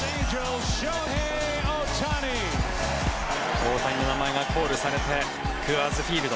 大谷の名前がコールされてクアーズ・フィールド。